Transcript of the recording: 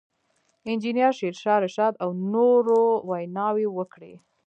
انجنیر شېرشاه رشاد او نورو ویناوې وکړې.